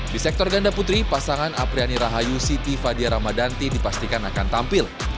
di sektor ganda putri pasangan apriani rahayu siti fadia ramadhanti dipastikan akan tampil